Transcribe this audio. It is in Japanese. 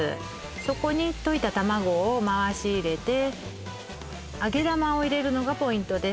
そこに溶いた卵を回し入れて揚げ玉を入れるのがポイントです